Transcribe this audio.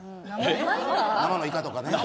生のイカとかね。